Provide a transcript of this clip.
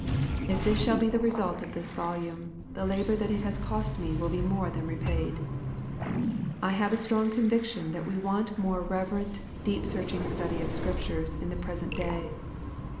If this shall be the result of this volume, the labor that it has cost me wiU be more than repaid. I have a strong conviction that we want more reve rent, deep searching study of the Scripture in the present day.